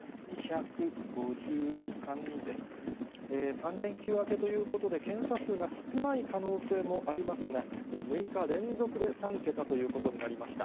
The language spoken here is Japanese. ３連休明けということで、検査数が少ない可能性もありますが、６日連続で３桁ということになりました。